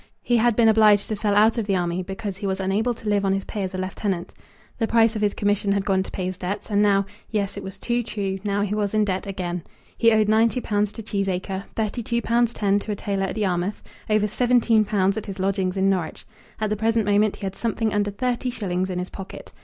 He had been obliged to sell out of the army, because he was unable to live on his pay as a lieutenant. The price of his commission had gone to pay his debts, and now, yes, it was too true, now he was in debt again. He owed ninety pounds to Cheesacre, thirty two pounds ten to a tailor at Yarmouth, over seventeen pounds at his lodgings in Norwich. At the present moment he had something under thirty shillings in his pocket.